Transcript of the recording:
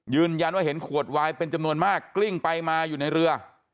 เห็นว่าเห็นขวดวายเป็นจำนวนมากกลิ้งไปมาอยู่ในเรือ